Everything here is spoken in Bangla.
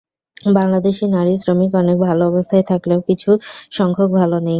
বাংলাদেশি নারী শ্রমিক অনেকে ভালো অবস্থায় থাকলেও কিছু সংখ্যক ভালো নেই।